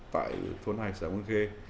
tại thôn hai xã quân khê